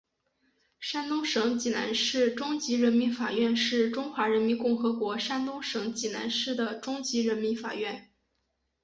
山东省济南市中级人民法院是中华人民共和国山东省济南市的中级人民法院。